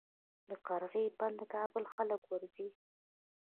د قرغې بند د کابل خلک ورځي